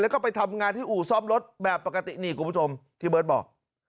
แล้วก็ไปทำงานที่อู่ซ่อมรถแบบปกตินี่คุณผู้ชมที่เบิร์ตบอก